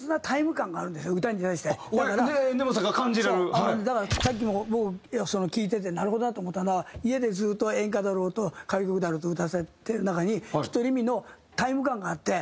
あのねだからさっきももう聞いててなるほどなと思ったのは家でずっと演歌だろうと歌謡曲だろうと歌わされてる中にきっとりみのタイム感があって。